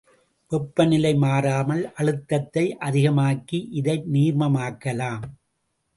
வெப்பநிலை மாறாமல் அழுத்தத்தை அதிகமாக்கி இதை நீர்மமாக்கலாம்.